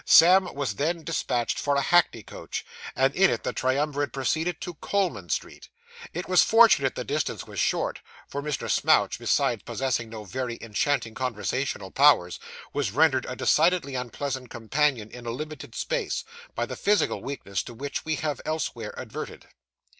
Sam was then despatched for a hackney coach, and in it the triumvirate proceeded to Coleman Street. It was fortunate the distance was short; for Mr. Smouch, besides possessing no very enchanting conversational powers, was rendered a decidedly unpleasant companion in a limited space, by the physical weakness to which we have elsewhere adverted.